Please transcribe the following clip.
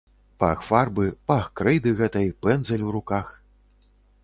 Пах фарбы, пах крэйды гэтай, пэндзаль у руках.